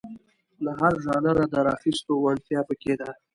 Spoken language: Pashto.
له هر ژانره د راخیستو وړتیا په کې ده.